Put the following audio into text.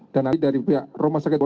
dan nanti dari pihak rumah sakit